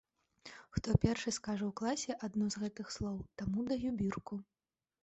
Хто першы скажа ў класе адно з гэтых слоў, таму даю бірку.